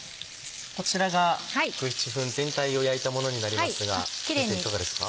こちらが６７分全体を焼いたものになりますが先生いかがですか？